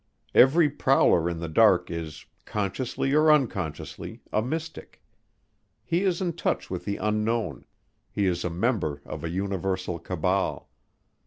Every prowler in the dark is, consciously or unconsciously, a mystic. He is in touch with the unknown; he is a member of a universal cabal.